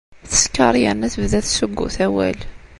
Teskeṛ yernu tebda tessuggut awal.